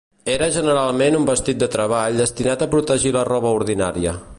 Era generalment un vestit de treball destinat a protegir la roba ordinària.